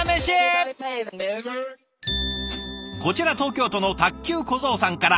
こちら東京都の卓球小僧さんから。